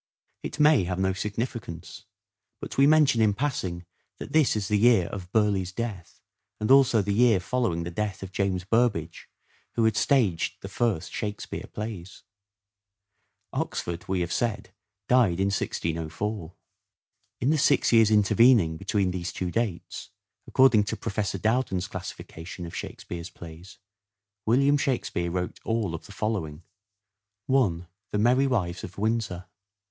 It may have no significance, but we mention in passing that this is the year of Burleigh's death and also the year following the death of James Burbage who had staged the first " Shake speare " plays. Oxford, we have said, died in 1604. In the six years intervening between these two dates, according to Professor Dowden's classification of FINAL OR SHAKESPEAREAN PERIOD 377 Shakespeare's plays, William Shakspere wrote all the following :— 1. The Merry Wives of Windsor.